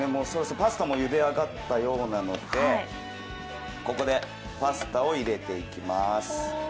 そろそろパスタもゆで上がったようなのでここでパスタを入れていきます。